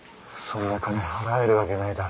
そんな金払えるわけないだろ。